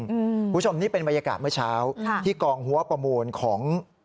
คุณผู้ชมนี่เป็นบรรยากาศเมื่อเช้าที่กองหัวประมูลของ